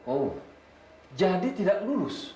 oh jadi tidak lulus